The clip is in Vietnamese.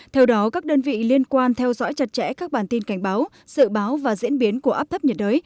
theo đó các đơn vị liên quan theo dõi chặt chẽ các bản tin cảnh báo sự báo và diễn biến của áp thấp nhiệt đới